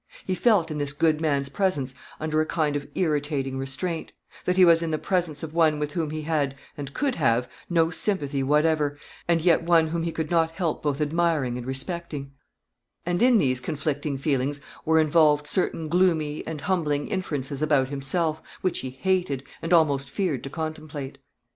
He felt in this good man's presence under a kind of irritating restraint; that he was in the presence of one with whom he had, and could have, no sympathy whatever, and yet one whom he could not help both admiring and respecting; and in these conflicting feelings were involved certain gloomy and humbling inferences about himself, which he hated, and almost feared to contemplate.